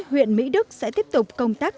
huyện mỹ đức sẽ tiếp tục công tác